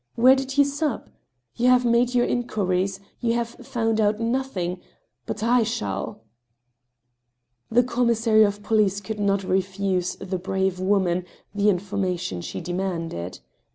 Where did he sup ? You have made your inquiries ; you have found out nothing, ... but I shall !" The commissary of police could not refuse the brave woman the information she demanded.